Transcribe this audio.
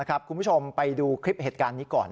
คุณผู้ชมไปดูคลิปเหตุการณ์นี้ก่อน